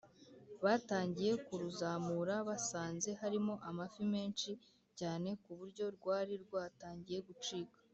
batangiye kuruzamura, basanze harimo amafi menshi cyane ku buryo rwari rwatangiye gucika